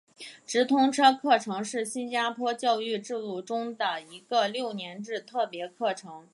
直通车课程是新加坡教育制度中的一个六年制特别课程。